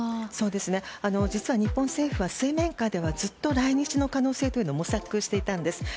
実は日本政府は水面下ではずっと来日の可能性を模索していたんです。